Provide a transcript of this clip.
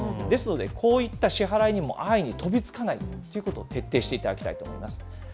ですので、こういった支払いにも安易に飛びつかないということを徹底していただきたいと思います。